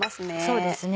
そうですね